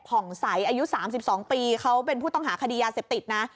ผ่องใสอายุ๓๒ปีเขาเป็นผู้ต้องหาคดียาเสพติดนะ